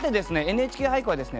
「ＮＨＫ俳句」はですね